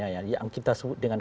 yang kita sebut dengan